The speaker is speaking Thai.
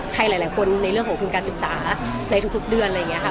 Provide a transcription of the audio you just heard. ใครหลายคนในเรื่องของทุนการศึกษาในทุกเดือนอะไรอย่างนี้ค่ะ